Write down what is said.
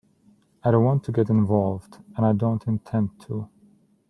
I don’t want to get involved, and I don't intend to.